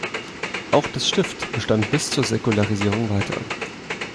Auch das Stift bestand bis zur Säkularisation weiter.